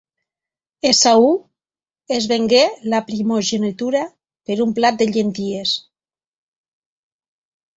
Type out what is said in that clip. Esaú es vengué la primogenitura per un plat de llentilles.